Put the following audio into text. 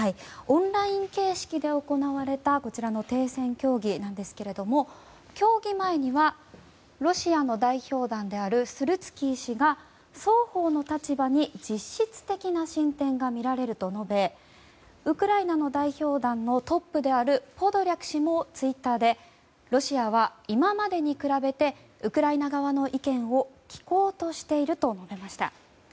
オンライン形式で行われた停戦協議なんですけども協議前にはロシアの代表団であるスルツキー氏が双方の立場に実質的な進展が見られると述べウクライナの代表団のトップであるポドリャク氏もツイッターでロシアは今までに比べてウクライナ側の意見を聞こうとしていると述べました。